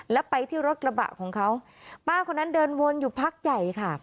แล้วไปที่รถกระบะของเขาป้าคนนั้นเดินวนอยู่พักใหญ่ค่ะ